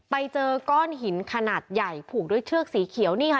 ไปเจอก้อนหินขนาดใหญ่ผูกด้วยเชือกสีเขียวนี่ค่ะ